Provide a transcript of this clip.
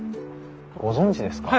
ご存じですか？